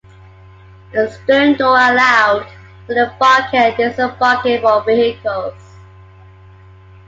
A stern door allowed for the embarking and disembarking of vehicles.